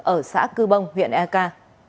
ở xã cư bông huyện eka